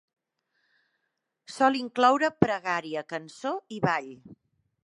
Sol incloure pregària, cançó i ball.